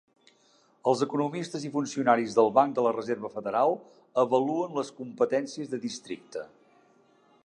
Els economistes i funcionaris del Banc de la Reserva Federal avaluen les competències de districte.